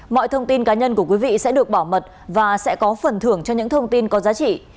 mọi thông tin cá nhân của quý vị sẽ được bảo mật và sẽ có phần thưởng cho những thông tin có giá trị